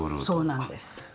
そうなんです。